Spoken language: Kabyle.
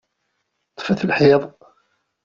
Ṭṭfet lḥiḍ!